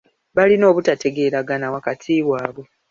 Balina obutategeeragana wakati waabwe.